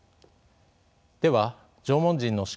では縄文人の思考